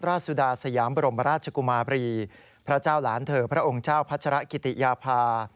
สุดาสยามบรมราชกุมาบรีพระเจ้าหลานเธอพระองค์เจ้าพัชรกิติยาพา